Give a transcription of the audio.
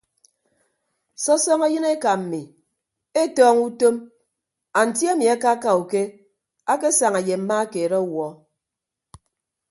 Sọsọñọ yịn eka mmi etọñọ utom anti ami akaaka uke akesaña ye mma keed ọwuọ.